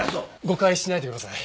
誤解しないでください。